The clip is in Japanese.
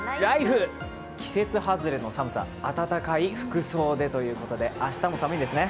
季節外れの寒さ、暖かい服装でということで、明日も寒いんですね？